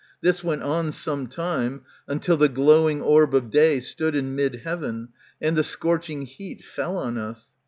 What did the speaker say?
This went on Some time, until the glowing orb of day Stood in mid heaven, and the scorching heat Fell on us.